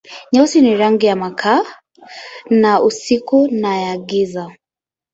Nyeusi ni rangi na makaa, ya usiku na ya giza.